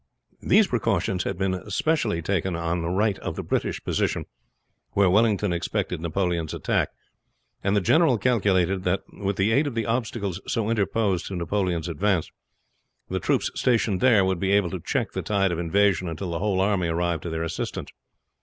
These precautions had been specially taken on the right of the British position where Wellington expected Napoleon's attack, and the general calculated that with the aid of the obstacles so interposed to Napoleon's advance, the troops stationed there would be able to check the tide of invasion until the whole army arrived to their assistance.